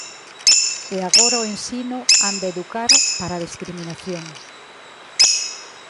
E que agora o ensino anda a educar para a discriminación.